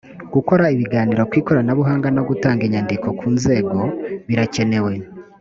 gukora ibiganiro ku ikoranabuhanga no gutanga inyandiko ku nzego birakenewe